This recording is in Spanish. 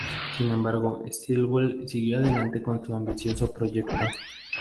Sin embargo, Stillwell siguió adelante con su ambicioso proyecto.